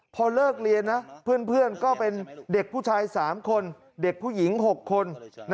พอเลิกเรียนนะเพื่อนก็เป็นเด็กผู้ชาย๓คนเด็กผู้หญิง๖คน